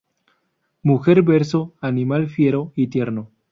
Mujer verso, "Animal fiero y tierno"".